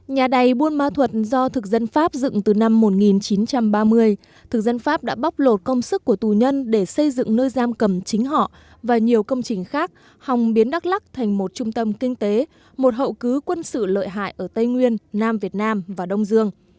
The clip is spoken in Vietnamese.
nhà đầy buôn ma thuật do thực dân pháp dựng từ năm một nghìn chín trăm ba mươi thực dân pháp đã bóc lột công sức của tù nhân để xây dựng nơi giam cầm chính họ và nhiều công trình khác hòng biến đắk lắc thành một trung tâm kinh tế một hậu cứ quân sự lợi hại ở tây nguyên nam việt nam và đông dương